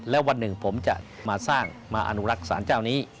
และวันหนึ่งผมจะมาสร้างมาอนุรักษ์สารเจ้านี้